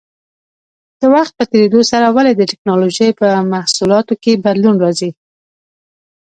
د وخت په تېرېدو سره ولې د ټېکنالوجۍ په محصولاتو کې بدلون راځي؟